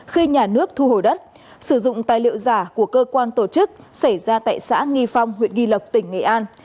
khi nhà nước thu hồi đất sử dụng tài liệu giả của cơ quan tổ chức xảy ra tại xã nghi phong huyện nghi lộc tỉnh nghệ an